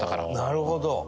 なるほど！